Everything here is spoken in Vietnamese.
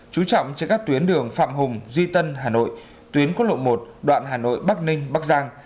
chú trọng trên các tuyến đường phạm hùng duy tân hà nội tuyến quốc lộ một đoạn hà nội bắc ninh bắc giang